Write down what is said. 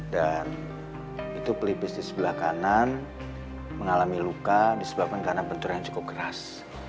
dan itu pelipis di sebelah kanan mengalami luka disebabkan kena bentur yang cukup keras